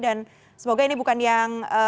dan semoga ini bukan yang